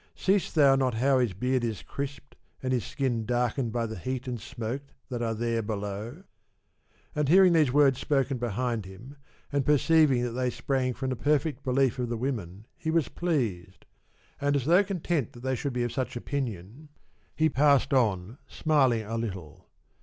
See'st thou not how his beard is crisped and his skin darkened by the heat and smoke that are there below?' And hearing these words spoken behind him and perceiving that they sprang from the perfect belief of the women, he was pleased, and as though content that they should be of such opinion, he passed on, smiling a little.